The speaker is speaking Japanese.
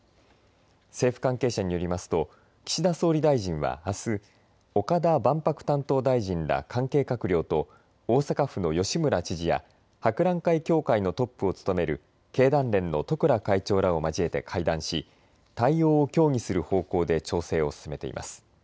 政府関係者によりますと岸田総理大臣はあす岡田万博担当大臣ら関係閣僚と大阪府の吉村知事や博覧会協会のトップを務める経団連の十倉会長らを交えて会談し対応を協議する方向で調整を進めています。